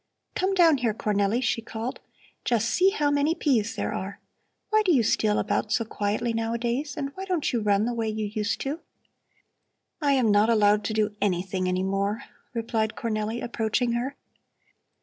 "Come down here, Cornelli!" she called. "Just see how many peas there are! Why do you steal about so quietly nowadays, and why don't you run the way you used to?" "I am not allowed to do anything any more," replied Cornelli, approaching her.